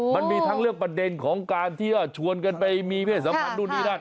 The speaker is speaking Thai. มันมีทั้งเรื่องประเด็นของการที่ชวนกันไปมีเพศสัมพันธ์นู่นนี่นั่น